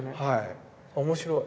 面白い。